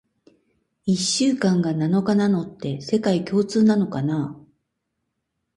一週間が七日なのって、世界共通なのかな？